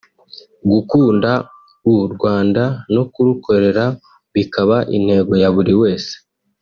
gukunda u Rwanda no kurukorera bikaba intego ya buri wese